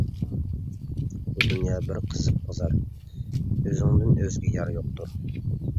بۇ دۇنيا بىر قىزىق بازار، ئۆزۈڭدىن ئۆزگە يار يوقتۇر.